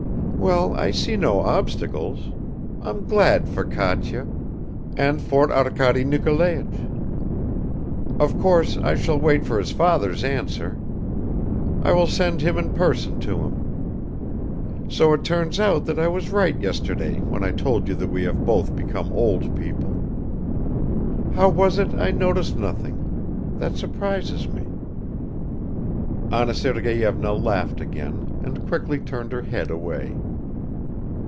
"Well, I see no obstacles ... I'm glad for Katya ... and for Arkady Nikolaich. Of course, I shall wait for his father's answer. I will send him in person to him. So it turns out that I was right yesterday when I told you that we have both become old people. ... How was it I noticed nothing? That surprises me." Anna Sergeyevna laughed again and quickly turned her head away.